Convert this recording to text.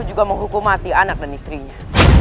untuk menghukumati anak dan istrinya